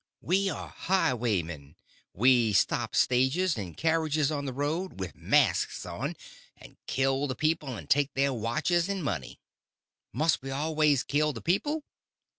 We are highwaymen. We stop stages and carriages on the road, with masks on, and kill the people and take their watches and money." "Must we always kill the people?"